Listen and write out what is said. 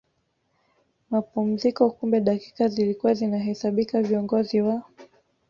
mapumziko Kumbe dakika zilikuwa zinahesabika viongozi wa